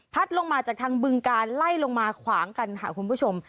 ลงมาจากทางบึงการไล่ลงมาขวางกันค่ะคุณผู้ชม